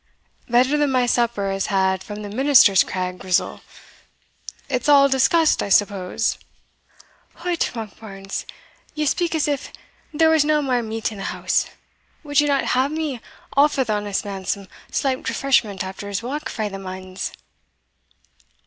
"Better than my supper has had from the minister's craig, Grizzle it's all discussed, I suppose?" "Hout, Monkbarns, ye speak as if there was nae mair meat in the house wad ye not have had me offer the honest man some slight refreshment after his walk frae the manse?"